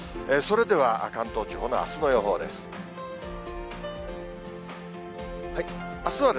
それでは関東地方のあすの予報です。